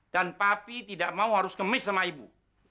dan papi tidak mau harus kemis sama ibu